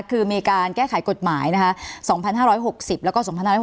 คือมีการแก้ไขกฎหมายนะคะ๒๕๖๐แล้วก็๒๑๖๖